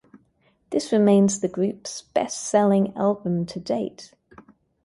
This remains the group's best selling album to date.